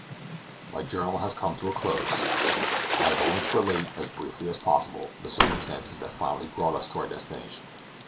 ..... My journal has come to a close. I have only to relate, as briefly as possible, the circumstances that finally brought us to our destination.